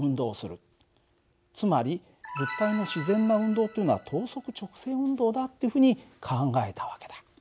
つまり物体の自然な運動というのは等速直線運動だっていうふうに考えた訳だ。